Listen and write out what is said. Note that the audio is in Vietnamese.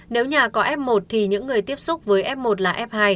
nếu nhà có f một thì những người tiếp xúc với f một là f hai